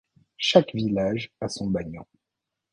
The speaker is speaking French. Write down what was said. Chaque village a son bagnon.